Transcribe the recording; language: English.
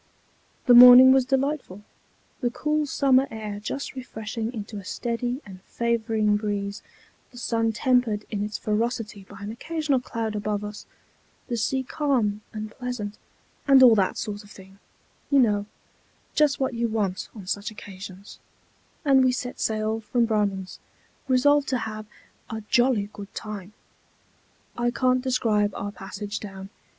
The morning was delightful, the cool summer air just freshening into a steady and favoring breeze, the sun tempered in his ferocity by an occasional cloud above us, the sea calm and pleasant and all that sort of thing, you know just what you want on such occasions, and we set sail from Braman's, resolved to have "a jolly good time." I can't describe our passage down.